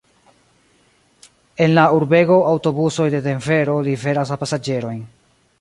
En la urbego aŭtobusoj de Denvero liveras la pasaĝerojn.